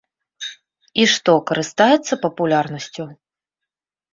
І што, карыстаецца папулярнасцю?